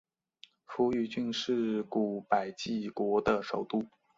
扶余郡是古百济国的首都。